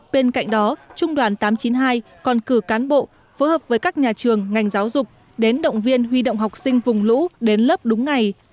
bên cạnh đó trung đoàn tám trăm chín mươi hai còn cử cán bộ phối hợp với các nhà trường ngành giáo dục đến động viên huy động học sinh vùng lũ đến lớp đúng ngày